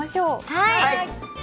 はい！